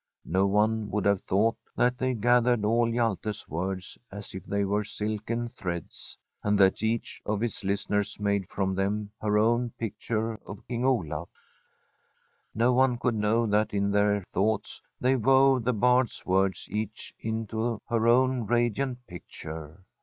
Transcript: No one would have thought that thev gathered all Hjalte's words as if they were silKen threads, and that each of his listeners made from them her own picture of King Olaf. 1 172] ASTRID No one could know that in their thoughts they wove the Bard*s words each into her own radiant picture.